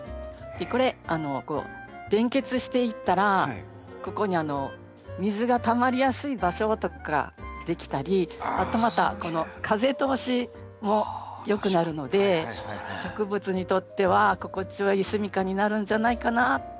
これ連結していったらここに水がたまりやすい場所とか出来たりあとまた風通しも良くなるので植物にとっては心地のいい住みかになるんじゃないかなとか思ったんですね。